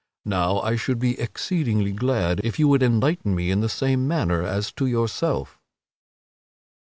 Now I should be exceedingly glad if you would enlighten me in the same manner as to yourself."